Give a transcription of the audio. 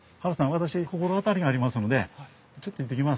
私心当たりがありますのでちょっと行ってきます。